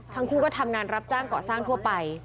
ทั้งคู่ก็ทำงานรับจ้างเกาะสร้างทั่วไป